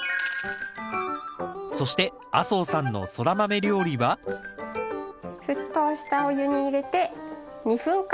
そして麻生さんのソラマメ料理は沸騰したお湯に入れて２分間ゆでます。